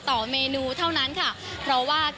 เมนูเท่านั้นค่ะเพราะว่า